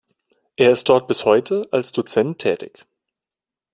Er ist dort bis heute als Dozent tätig.